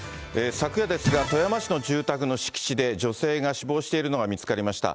昨夜ですが、富山市の住宅の敷地で女性が死亡しているのが見つかりました。